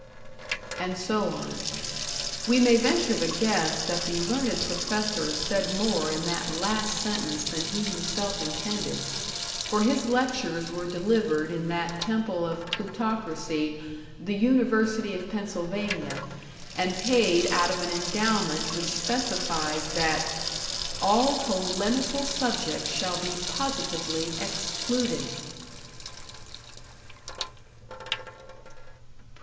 And so on. We may venture the guess that the learned professor said more in that last sentence than he himself intended, for his lectures were delivered in that temple of plutocracy, the University of Pennsylvania, and paid out of an endowment which specifies that "all polemical subjects shall be positively excluded!"